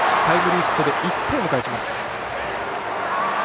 タイムリーヒットで１点返します。